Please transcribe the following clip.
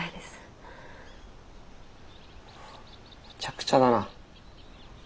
めちゃくちゃだな。